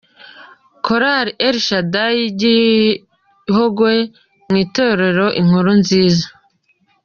Korali El Shaddai y'i Gihogwe mu itorero Inkuru Nziza.